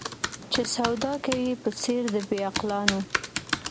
چي سودا کوې په څېر د بې عقلانو